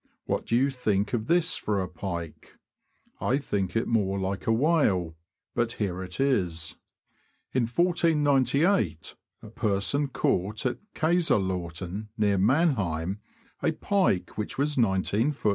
What do you think of this for a pike ? I think it more like a whale; but here it is: "In 1498, a person caught at Kaiserlauten, near Mannheim, a pike which was 19ft.